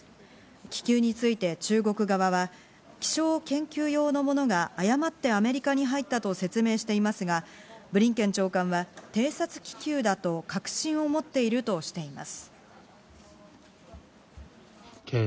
気球について中国側は気象研究用のものが誤ってアメリカに入ったと説明していますが、ブリンケン長官は偵察気球だと確信を持っているとしています。